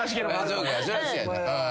そうかそりゃそうやな。